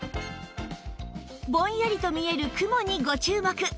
ぼんやりと見える雲にご注目